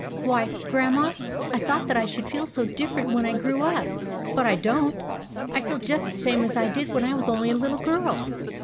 Why, Grandma, I thought that I should feel so different when I grew up ; but I don't. I feel just the same as I did when I was only a little girl."